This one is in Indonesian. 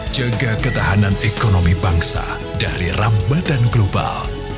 jaga ketahanan ekonomi bangsa dari rambatan global